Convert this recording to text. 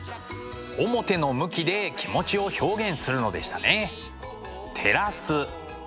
面の向きで気持ちを表現するのでしたね。